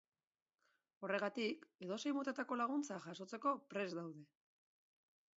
Horregatik, edozein motatako laguntza jasotzeko prest daude.